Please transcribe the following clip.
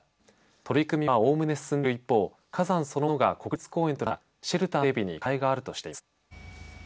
取り組みはおおむね進んでいる一方火山そのものが国立公園となっていることからシェルターの整備に課題があるとしています。